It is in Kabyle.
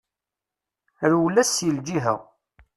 Rwel-as seg lǧiha.